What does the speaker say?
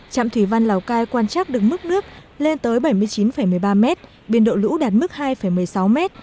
trạm thủy văn lào cai quan trắc được mức nước lên tới bảy mươi chín một mươi ba m biên độ lũ đạt mức hai một mươi sáu m